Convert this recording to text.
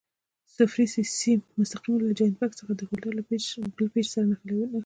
صفري سیم مستقیماً له جاینټ بکس څخه د هولډر له بل پېچ سره ونښلوئ.